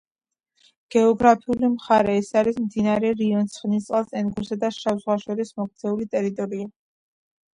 გეოგრაფიული მხარე. ეს არის მდინარე რიონს, ცხენისწყალს, ენგურსა და შავ ზღვას შორის მოქცეული ტერიტორია.